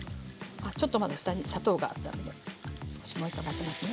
ちょっとまだ下に砂糖があったので、もう１回混ぜますね。